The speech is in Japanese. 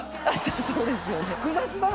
そうですよね。